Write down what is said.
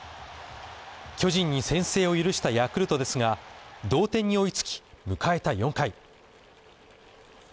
巨人に先制を許したヤクルトですが同点に追いつき、迎えた４回。